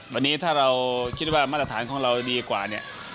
วันนี้ถ้าเราคิดว่ามาตรฐานของเราดีกว่าเนี่ย